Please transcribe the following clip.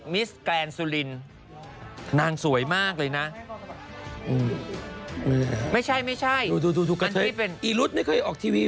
มิสแกรนสุรินนางสวยมากเลยนะไม่ใช่อีรุ๊ดไม่เคยออกทีวี